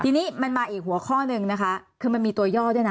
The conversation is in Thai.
ทีนี้มันมาอีกหัวข้อหนึ่งนะคะคือมันมีตัวย่อด้วยนะ